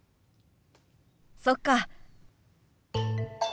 そっか。